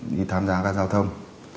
đi tham gia các giao thông